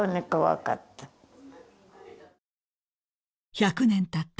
［１００年たった